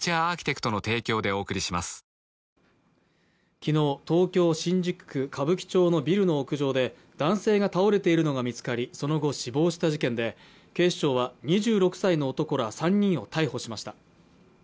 昨日、東京・新宿区歌舞伎町のビルの屋上で、男性が倒れているのが見つかり、その後、死亡した事件で警視庁は２６歳の男ら３人を逮捕しました。